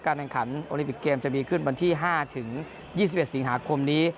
แข่งขันโอลิมปิกเกมจะมีขึ้นวันที่๕ถึง๒๑สิงหาคมนี้